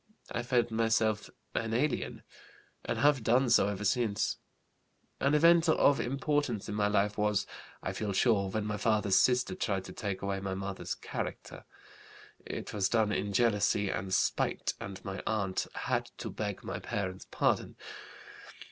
I felt myself an alien, and have done so ever since. An event of importance in my life was, I feel sure, when my father's sister tried to take away my mother's character. It was done in jealousy and spite, and my aunt had to beg my parents' pardon.